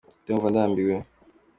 Ndikumva ndambiwe.